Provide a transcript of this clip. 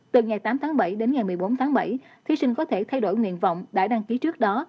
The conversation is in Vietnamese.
từ ngày tám tháng bảy đến ngày một mươi bốn tháng bảy thí sinh có thể thay đổi nguyện vọng đã đăng ký trước đó